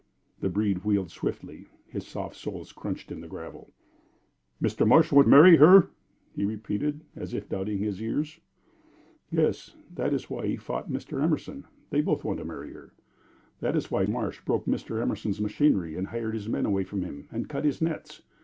The breed wheeled swiftly, his soft soles crunching the gravel. "Mr. Marsh want marry her?" he repeated, as if doubting his ears. "Yes. That is why he has fought Mr. Emerson they both want to marry her. That is why Marsh broke Mr. Emerson's machinery, and hired his men away from him, and cut his nets.